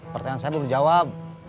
pertanyaan saya belum dijawab